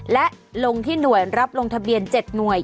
และลงที่หน่วยรับลงทะเบียน๗หน่วย